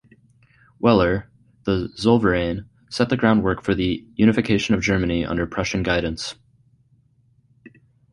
Wehler, the "Zollverein" set the groundwork for the unification of Germany under Prussian guidance.